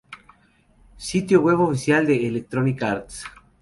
Sitio Web oficial de Electronic Arts